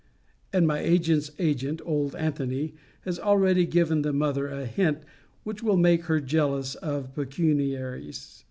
And my agent's agent, old Antony, has already given the mother a hint which will make her jealous of pecuniaries.